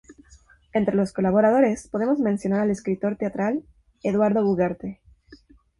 Entre los colaboradores podemos mencionar al escritor teatral Eduardo Ugarte.